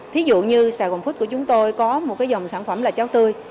thí dụ như sg food của chúng tôi có một dòng sản phẩm là cháo tươi